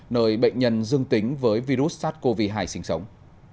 nơi bệnh nhân dương tính với virus sars cov hai sinh sống